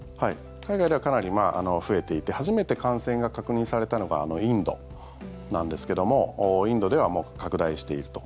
海外ではかなり増えていて初めて感染が確認されたのがインドなんですけどもインドではもう拡大していると。